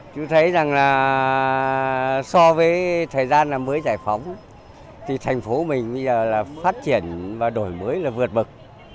chú thấy rằng là so với thời gian mới giải phóng thì thành phố mình bây giờ là phát triển và đổi mới là vượt bậc